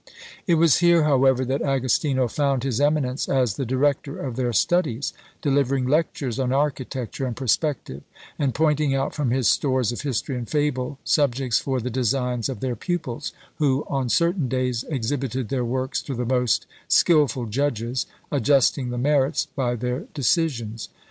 It was here, however, that Agostino found his eminence as the director of their studies; delivering lectures on architecture and perspective, and pointing out from his stores of history and fable subjects for the designs of their pupils, who, on certain days exhibited their works to the most skilful judges, adjusting the merits by their decisions.